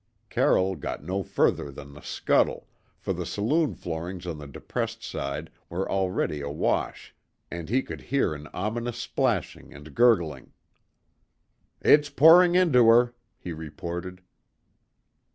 Carroll got no farther than the scuttle, for the saloon floorings on the depressed side were already awash and he could hear an ominous splashing and gurgling. "It's pouring into her," he reported.